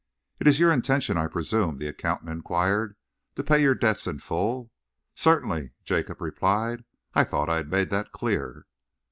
"It is your intention, I presume," the accountant enquired, "to pay your debts in full?" "Certainly," Jacob replied. "I thought I had made that clear."